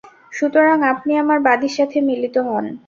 সুতরাং আপনি আমার বাদীর সাথে মিলিত হন।